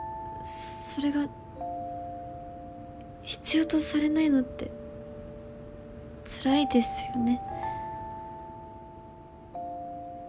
それが必要とされないのってつらいですよね。